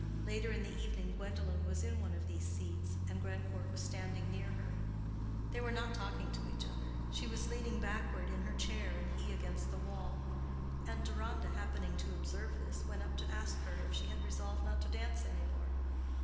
Later in the evening Gwendolen was in one of these seats, and Grandcourt was standing near her. They were not talking to each other: she was leaning backward in her chair, and he against the wall; and Deronda, happening to observe this, went up to ask her if she had resolved not to dance any more.